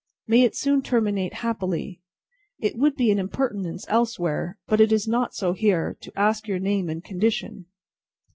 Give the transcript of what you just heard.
May it soon terminate happily! It would be an impertinence elsewhere, but it is not so here, to ask your name and condition?"